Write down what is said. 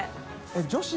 ┐女子？